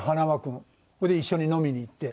それで一緒に飲みに行って。